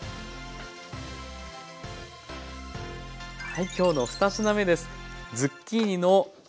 はい今日の２品目です。